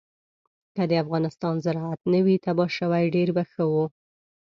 که د افغانستان زراعت نه وی تباه شوی ډېر به ښه وو.